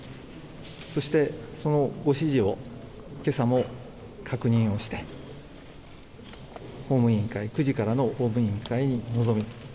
そして、そのご指示を今朝も確認をして９時からの法務委員会に臨む。